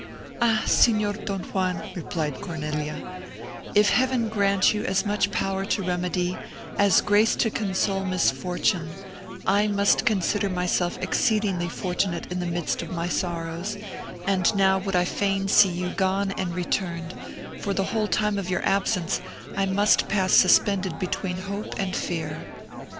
"Ah Signor Don Juan," replied Cornelia, "if Heaven grant you as much power to remedy, as grace to console misfortune, I must consider myself exceedingly fortunate in the midst of my sorrows; and now would I fain see you gone and returned; for the whole time of your absence I must pass suspended between hope and fear."